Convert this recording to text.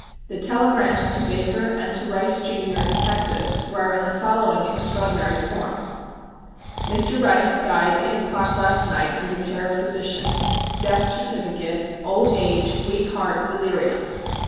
The telegrams to Baker and to Rice, Jr., in Texas, were in the following extraordinary form: Mr. Rice died eight o'clock last night under care of physicians. Death certificate, "old age, weak heart, delirium."